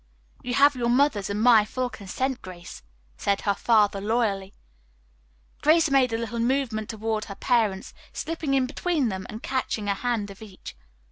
"You have your mother's and my full consent, Grace," said her father loyally. Grace made a little movement toward her parents, slipping in between them and catching a hand of each.